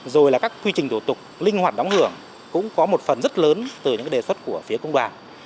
rồi là các quy trình tổ tục linh hoạt đóng hưởng cũng có một phần rất lớn từ những đề xuất của phía công đoàn